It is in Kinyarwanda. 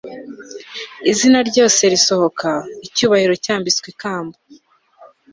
izina ryose risohoka, icyubahiro cyambitswe ikamba